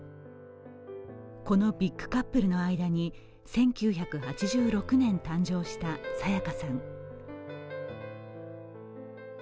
このビッグカップルの間に１９８６年誕生した沙也加さん。